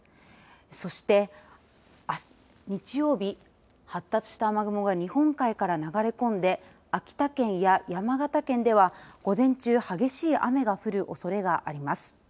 そして、あす日曜日発達した雨雲が日本海から流れ込んで秋田県や山形県では午前中激しい雨が降るおそれがあります。